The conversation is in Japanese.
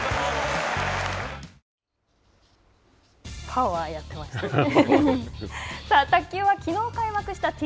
パワー、やっていましたね。